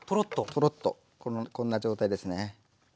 トロッとこんな状態ですね。